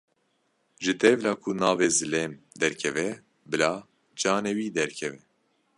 Ji dêvla ku navê zilêm derkeve bila canê wî derkeve.